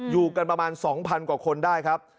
อยู่กันประมาณ๒๐๐กว่าคนได้ครับ